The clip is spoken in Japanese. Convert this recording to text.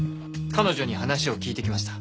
彼女に話を聞いてきました。